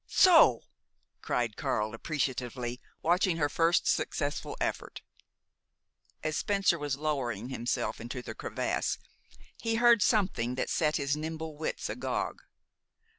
"So!" cried Karl appreciatively, watching her first successful effort. As Spencer was lowering himself into the crevasse, he heard something that set his nimble wits agog.